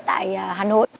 tại hà nội